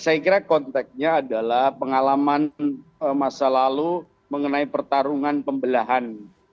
saya kira konteknya adalah pengalaman masa lalu mengenai pertarungan pembelahan